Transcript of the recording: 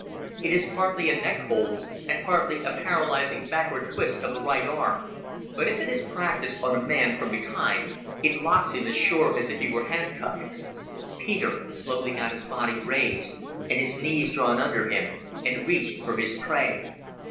It is partly a neck hold, and partly a paralysing backward twist of the right arm, but if it is practised on a man from behind, it locks him as sure as if he were handcuffed. Peter slowly got his body raised and his knees drawn under him, and reached for his prey.